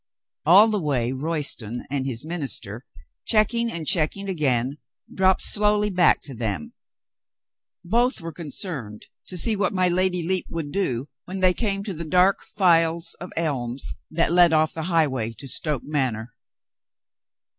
All the way Royston and his minister, checking and checking again, dropped slowly back to them. Both were concerned to see what my Lady Lepe would do when they came to the dark files of elms that led off the highway to Stoke Manor.